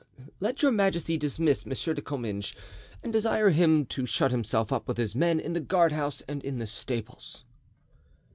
"Let your majesty dismiss M. de Comminges and desire him to shut himself up with his men in the guardhouse and in the stables."